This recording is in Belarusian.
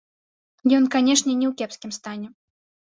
Ён, канешне, не ў кепскім стане.